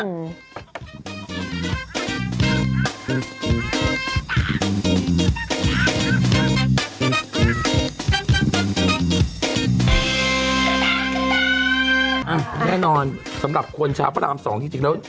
แน่นอนสำหรับคนชาวพระราม๒จริงแล้ว